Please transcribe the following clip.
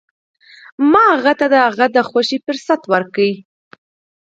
ما هغه ته د هغه د خوښې فرصت ورکړ.